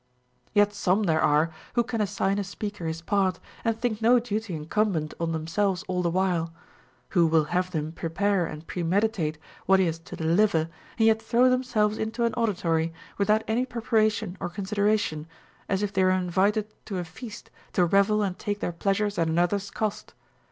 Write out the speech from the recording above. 14. Yet some there are who can assign a speaker his part, and think no duty incumbent on themselves all the while ; who Avill have him prepare and premeditate what he has to deliver, and yet throw themselves into an auditory without any preparation or consideration, as if they were invited to a feast, to revel and take their pleas ures at another's cost.